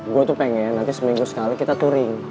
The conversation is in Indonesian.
gue tuh pengen nanti seminggu sekali kita touring